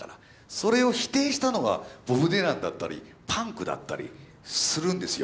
それを否定したのがボブ・ディランだったりパンクだったりするんですよ。